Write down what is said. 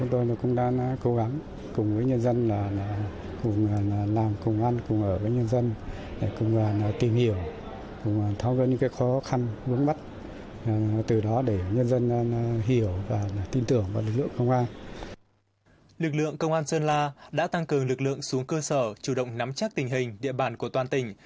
lực lượng công an sơn la đã tăng cường lực lượng xuống cơ sở chủ động nắm chắc tình hình địa bàn của toàn tỉnh